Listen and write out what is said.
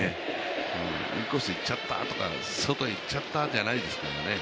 インコースいっちゃったとか外いっちゃったとかじゃないですもんね